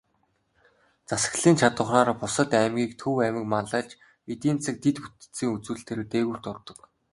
Засаглалын чадавхаараа бусад аймгийг Төв аймаг манлайлж, эдийн засаг, дэд бүтцийн үзүүлэлтээрээ дээгүүрт ордог.